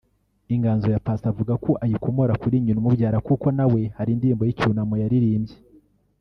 Inganzo ya Paccy avuga ko ayikomora kuri nyina umubyara kuko nawe hari indirimbo z’icyunamo yaririmbye